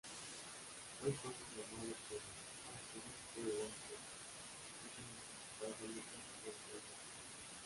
Fue entonces llamado por el Arzobispo de Boston, Cushing, para someterse a su autoridad.